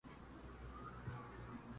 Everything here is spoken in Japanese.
北海道赤平市